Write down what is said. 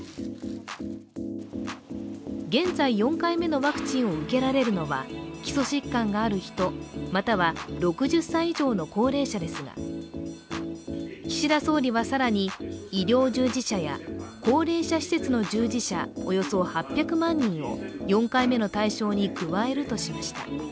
現在４回目のワクチンを受けられるのは基礎疾患がある人、または６０歳以上の高齢者ですが岸田総理は更に、医療従事者や高齢者施設の従事者、およそ８００万人を４回目の対象に加えるとしました。